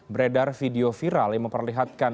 beredar video viral yang memperlihatkan